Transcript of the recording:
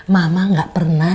mama gak pernah